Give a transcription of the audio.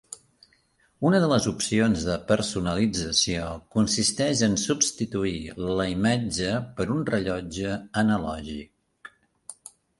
Una de les opcions de personalització consisteix en substituir la imatge per un rellotge analògic.